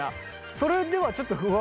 それではちょっと不安がある。